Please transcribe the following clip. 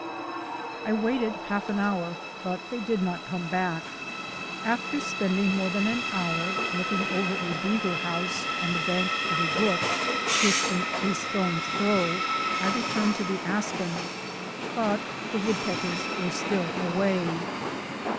I waited half an hour, but they did not come back. After spending more than an hour looking over a beaver house on the bank of a brook, 23 24 THE ADVENTURES OF A NATURE GUIDE distant a stone's throw, I returned to the aspen, but the woodpeckers were still away.